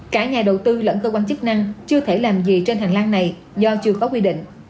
cả nhà đầu tư lẫn cơ quan chức năng chưa thể làm gì trên hành lang này do chưa có quy định